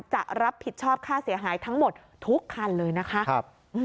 จะรับผิดชอบค่าเสียหายทั้งหมดทุกคันเลยนะคะ